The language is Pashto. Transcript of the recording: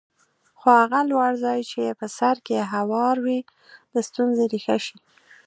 خو هغه لوړ ځای چې په سر کې هوار وي د ستونزې ریښه شي.